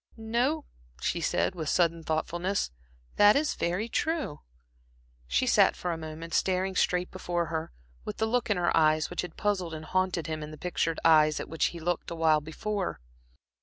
"No," she said, with sudden thoughtfulness "that is very true." She sat for a moment staring straight before her, with the look in her eyes which had puzzled and haunted him in the pictured eyes at which he had looked awhile before.